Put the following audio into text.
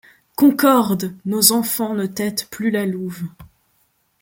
Concorde ! Nos enfants ne tettent plus la louve ;